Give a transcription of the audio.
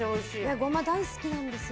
ゴマ、大好きなんですよ。